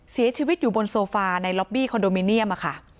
เสียชีวิตอยู่บนโซฟาในล็อบบี้คอนโดมิเนียมค่ะ